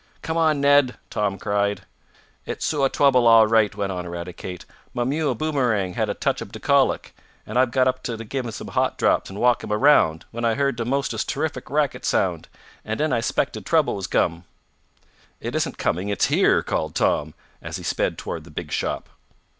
"Come on, Ned!" Tom cried. "It's suah trouble, all right," went on Eradicate. "Mah mule, Boomerang, had a touch ob de colic, an' I got up t' gib him some hot drops an' walk him around, when I heard de mostest terrific racket sound, and den I 'spected trouble was comm." "It isn't coming it's here!" called Tom, as he sped toward the big shop.